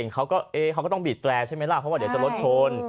เขาก็เขาก็ต้องบีดแรร์ใช่ไหมล่ะเพราะว่าเดี๋ยวจะรถชน